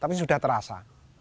tapi sudah terasa